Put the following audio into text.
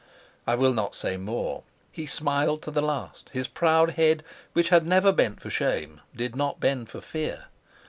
I will not say more. He smiled to the last; his proud head, which had never bent for shame, did not bend for fear.